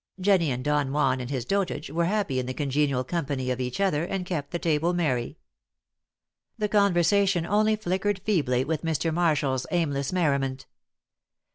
Jennie and Don Juan in his Dotage were happy in the congenial company of each other, and kept the table merry. The conversation only flickered feebly with Mr. Marshall's aimless merriment.